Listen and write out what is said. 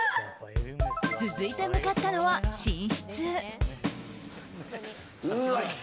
続いて向かったのは寝室。